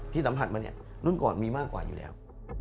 สัมผัสมาเนี่ยรุ่นก่อนมีมากกว่าอยู่แล้ว